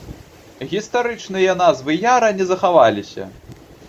Гістарычныя назвы яра не захаваліся.